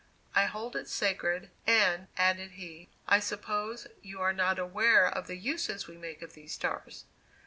I hold it sacred; and," added he, "I suppose you are not aware of the uses we make of these stars?"